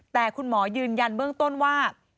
แต่คุณหมอยืนยันเบื้องต้นว่า